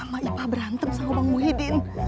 sama ipa berantem sama bang muhyiddin